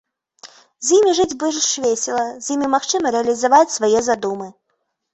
З імі жыць больш весела, з імі магчыма рэалізаваць свае задумы.